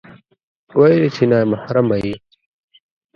ويل يې چې نا محرمه يې